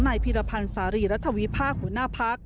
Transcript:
นายภีรพันธ์สารีรัฐวิภาคหัวหน้าพัก